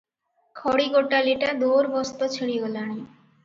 ଖଡ଼ି ଗୋଟାଳିଟା ଦୋରବସ୍ତ ଛିଡ଼ିଗଲାଣି ।